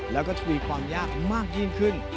แล้วก็จะมีความยากมากยิ่งขึ้น